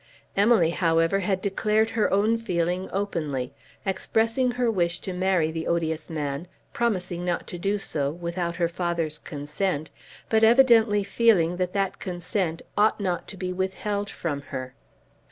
Emily, however, had declared her own feeling openly, expressing her wish to marry the odious man, promising not to do so without her father's consent, but evidently feeling that that consent ought not to be withheld from her.